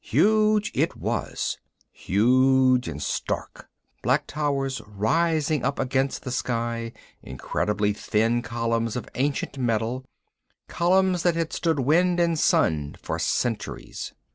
Huge it was, huge and stark, black towers rising up against the sky, incredibly thin columns of ancient metal, columns that had stood wind and sun for centuries.